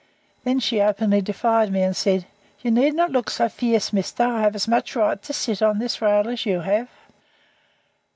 Then she openly defied me, and said: "You need not look so fierce, mister. I have as much right to sit on this rail as you have."